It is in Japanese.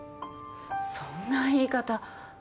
そんな言い方。